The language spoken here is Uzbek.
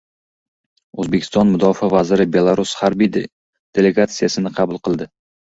O‘zbekiston mudofaa vaziri Belarus harbiy delegatsiyasini qabul qildi